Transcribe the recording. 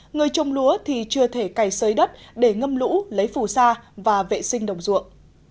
người trồng lúa thì chưa thể cày sới đất để ngâm lũ lấy phù sa và vệ sinh đồng ruộng